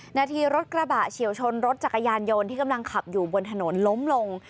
นาทีรถกระบะเฉียวชนรถจักรยานยนต์ที่กำลังขับอยู่บนถนนล้มลง